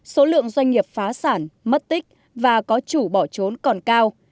số lượng doanh nghiệp phá sản mất tích và có chủ bỏ trốn còn cao